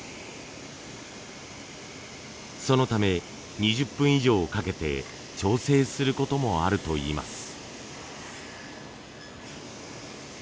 そのため２０分以上かけて調整する事もあるといいます。